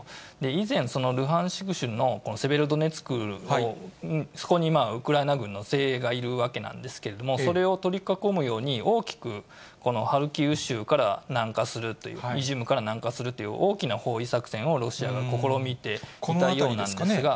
以前、そのルハンシク州のセベロドネツク、そこにウクライナ軍の精鋭がいるわけなんですけれども、それを取り囲むように、大きくハルキウ州から南下するという、イジュームから南下するという大きなロシア側が試みていたようなんですが。